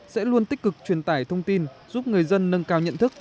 sẽ luôn tích cực truyền tải thông tin giúp người dân nâng cao nhận thức